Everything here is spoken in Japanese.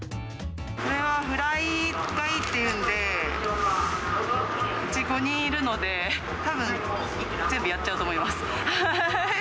これはフライがいいっていうんで、うち５人いるので、たぶん、全部やっちゃうと思います。